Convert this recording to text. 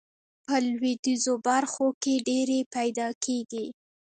په لویدیځو برخو کې ډیرې پیداکیږي.